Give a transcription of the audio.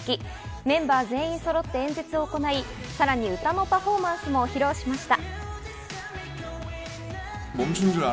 メンバー全員そろって演説を行い、さらに歌のパフォーマンスも披露しました。